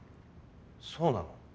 そうなの？